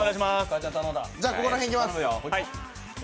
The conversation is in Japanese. じゃあ、ここら辺いきます。